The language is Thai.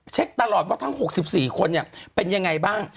เช็คตลอดว่าทั้ง๖๔คนเป็นยังไงบ้าง